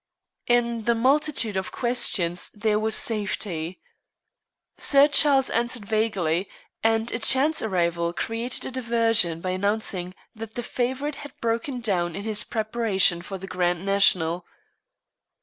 In the multitude of questions there was safety. Sir Charles answered vaguely, and a chance arrival created a diversion by announcing that the favorite had broken down in his preparation for the Grand National.